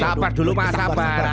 sabar dulu pak sabar